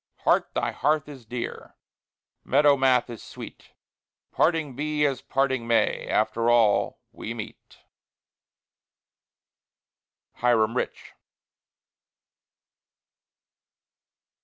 Heart, the hearth is dear, Meadow math is sweet; Parting be as parting may, After all, we meet. HIRAM RICH.